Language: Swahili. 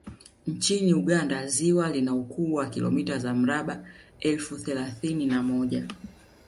Nchini Uganda ziwa lina ukubwa wa kilomita za mraba elfu thelathini na moja